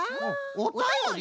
おたより？